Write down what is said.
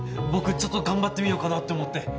僕ちょっと頑張ってみようかなって思って。